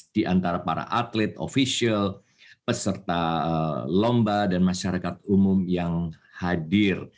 di antara para atlet ofisial peserta lomba dan masyarakat umum yang hadir